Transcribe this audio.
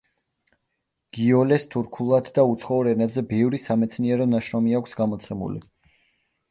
გიოლეს თურქულად და უცხოურ ენებზე ბევრი სამეცნიერო ნაშრომი აქვს გამოცემული.